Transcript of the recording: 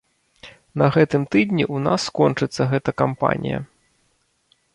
На гэтым тыдні у нас скончыцца гэта кампанія.